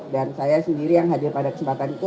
dan saya sendiri yang hadir pada kesempatan itu